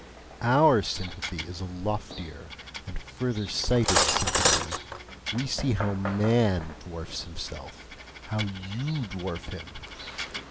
OUR sympathy is a loftier and further sighted sympathy: we see how MAN dwarfs himself, how YOU dwarf him!